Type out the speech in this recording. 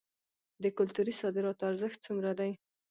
د کلتوري صادراتو ارزښت څومره دی؟